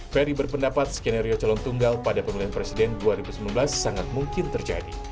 ferry berpendapat skenario calon tunggal pada pemilihan presiden dua ribu sembilan belas sangat mungkin terjadi